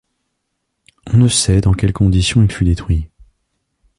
On ne sait dans quelles conditions il fut détruit.